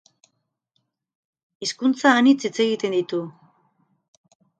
Hizkuntza anitz hitz egiten ditu.